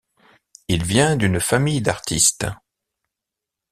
Il vient d’une famille d’artistes.